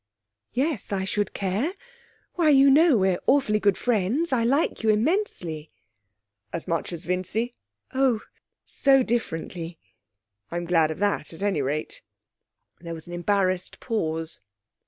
'Yes, I should care. Why, you know we're awfully good friends; I like you immensely.' 'As much as Vincy?' 'Oh! So differently.' 'I'm glad of that, at any rate!' There was an embarrassed pause.